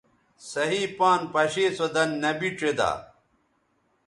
صحیح پان پشے سو دَن نبی ڇیدا